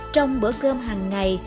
trong bữa cơm hàng ngày